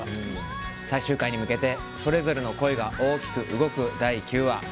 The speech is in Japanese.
最終回に向けてそれぞれの恋が大きく動く第９話。